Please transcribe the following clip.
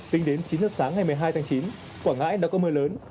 tính đến chín h sáng ngày một mươi hai tháng chín quảng ngãi đã có mưa lớn